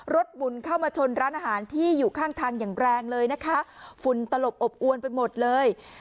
หมุนเข้ามาชนร้านอาหารที่อยู่ข้างทางอย่างแรงเลยนะคะฝุ่นตลบอบอวนไปหมดเลย